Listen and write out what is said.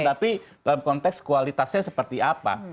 tapi dalam konteks kualitasnya seperti apa